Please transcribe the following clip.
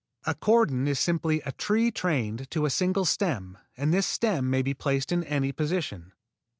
A cordon is simply a tree trained to a single stem and this stem may be placed in any position.